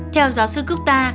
theo giáo sư gupta